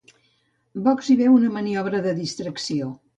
Vox hi veu una maniobra de distracció.